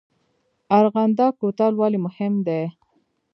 ارغنده کوتل ولې مهم دی؟